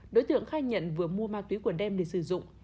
đối tượng khai nhận vừa mua ma túy của đem để sử dụng